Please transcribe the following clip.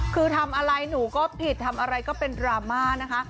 คือทำอะไรหนูก็ผิดทำอะไรก็เป็นดราม่านะคะ